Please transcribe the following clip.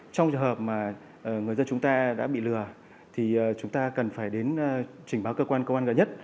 trong trường hợp mà người dân chúng ta đã bị lừa thì chúng ta cần phải đến trình báo cơ quan công an gần nhất